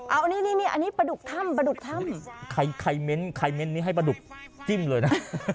เอานี่นี่อันนี้ปลาดุกถ้ำปลาดุกถ้ำใครเม้นใครเม้นนี้ให้ปลาดุกจิ้มเลยนะ